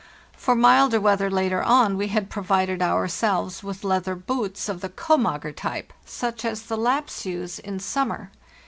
* For milder weather later on we had provided ourselves with leather boots of the " komager" type, such as the Lapps use in summer.